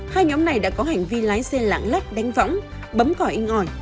hai nhóm này đã có hành vi lái xe lãng lắc đánh võng bấm cỏ in ỏi